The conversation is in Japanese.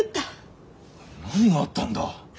何があったんだ！？